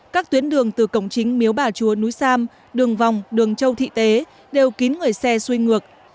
các tuyến đường từ cổng chính miếu bà chúa núi sam đường vòng đường châu thị tế đều kín người xe xuôi ngược